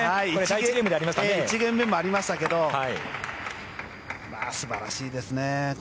１ゲーム目にもありましたが素晴らしいですね。